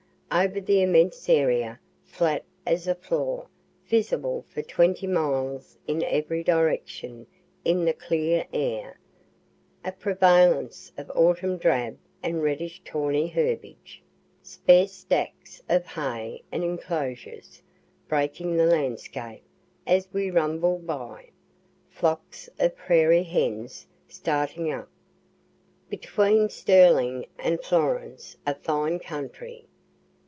Over the immense area, flat as a floor, visible for twenty miles in every direction in the clear air, a prevalence of autumn drab and reddish tawny herbage sparse stacks of hay and enclosures, breaking the landscape as we rumble by, flocks of prairie hens starting up. Between Sterling and Florence a fine country.